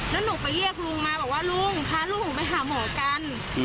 แล้วหนูไปเรียกลุงมาบอกว่าลุงพาลูกหนูไปหาหมอกัน